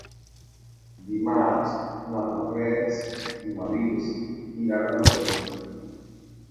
Dimarts na Farners i na Lis iran a Torrent.